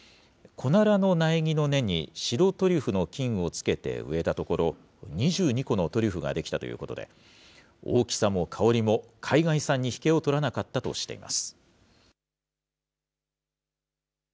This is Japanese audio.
コナラの苗木の根に白トリュフの菌を付けて植えたところ、２２個のトリュフが出来たということで、大きさも香りも海外産に引けを取らなかったとしています。